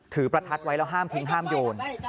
ประทัดไว้แล้วห้ามทิ้งห้ามโยน